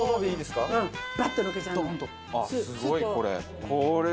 すごいこれ。